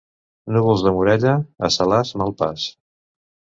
Núvols de Morella a Salàs, mal pas.